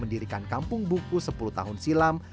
mendirikan kampung buku sepuluh tahun silam